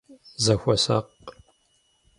Зыхуэсакъ!